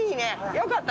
よかった。